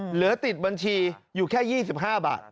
เหลือติดบัญชีอยู่แค่๒๕บาท